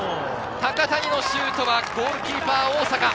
高谷のシュートはゴールキーパー・大阪。